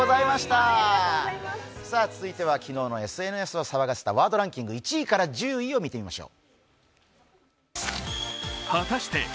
続いては昨日のＳＮＳを騒がせたワードランキング、１位から１０位を見てみましょう。